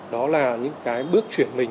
đó là những cái bước chuyển mình